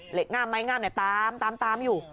เหล็กงามไม้งามเนี่ยตามอยู่